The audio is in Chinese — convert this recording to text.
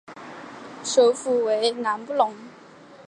首府为朗布隆。